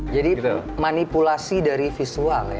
jadi manipulasi dari visual ya